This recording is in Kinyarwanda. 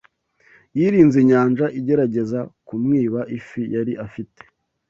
Yirinze inyanja, igerageza kumwiba ifi yari afite